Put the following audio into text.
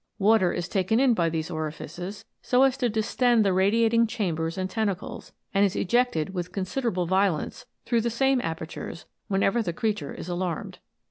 Water is taken in by these orifices, so as to distend the radiating chambers and tentacles, and is ejected with considerable violence through the same apertures whenever the creature is alarmed.